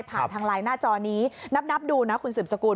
ทางไลน์หน้าจอนี้นับดูนะคุณสืบสกุล